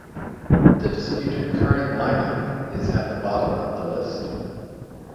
The disputed current line-up is at the bottom of the list.